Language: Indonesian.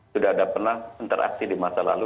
sudah ada pernah interaksi di masa lalu